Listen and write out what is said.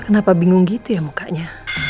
kenapa bingung gitu ya mukanya